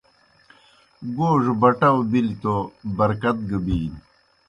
گوڙہ بٹاؤ بِلیْ توْ برکت گہ بِینیْ۔